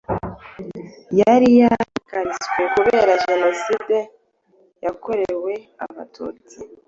yari yahagaritse kubera Jenoside yakorewe Abatutsi